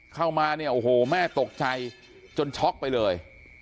เข้ามาเนี่ยโอ้โหแม่ตกใจจนช็อกไปเลย